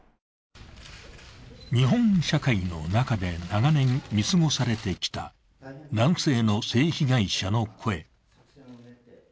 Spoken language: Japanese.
日本社会の中で長年見過ごされてきた男性の性被害者の声。